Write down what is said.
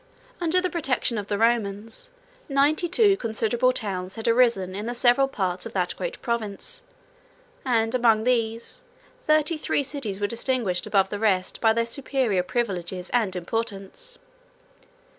180 Under the protection of the Romans, ninety two considerable towns had arisen in the several parts of that great province; and, among these, thirty three cities were distinguished above the rest by their superior privileges and importance.